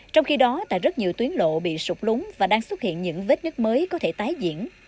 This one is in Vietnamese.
trong khi đó tại rất nhiều tuyến lộ bị sụp lúng và đang xuất hiện những vết nứt mới có thể tái diễn